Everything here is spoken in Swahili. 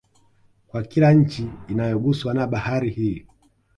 Kwa kila nchi inayoguswa na Bahari hii